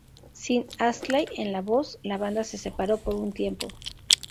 Sin Astley en la voz, la banda se separó por un tiempo.